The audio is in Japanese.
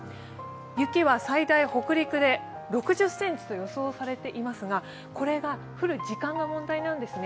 雪は最大、北陸で６０ｃｍと予想されいていますが降る時間が問題なんですね。